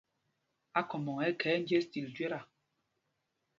Akhɔmbɔŋ ɛ́ ɛ́ khɛɛ njes til jweta.